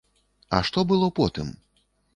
А што было потым?